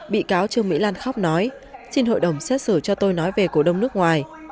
bác nói xin hội đồng xét xử cho tôi nói về cổ đông nước ngoài